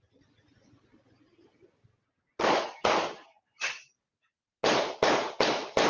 คุณผู้ชมลองดูกล้องนะคะ